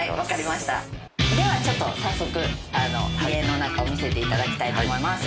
では早速家の中を見せていただきたいと思います。